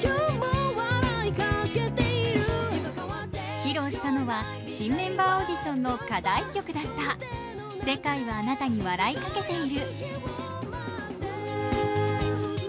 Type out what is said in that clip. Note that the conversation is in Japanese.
披露したのは新メンバーオーディションの課題曲だった「世界はあなたに笑いかけている」。